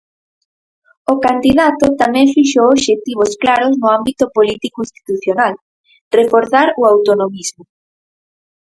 O candidato tamén fixou obxectivos claros no ámbito político-institucional: reforzar o autonomismo.